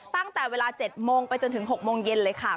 ตั้งแต่เวลา๗โมงไปจนถึง๖โมงเย็นเลยค่ะ